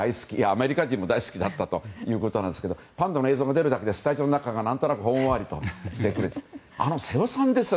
アメリカ人も大好きだったということなんですけどパンダの映像が出るだけでスタジオの中が何となくほんわりとしてくるんです。